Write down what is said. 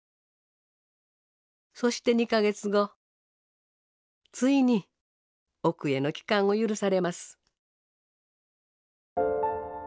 そして２か月後ついに奥への帰還を許されます。